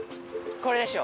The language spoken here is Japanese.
これでしょ。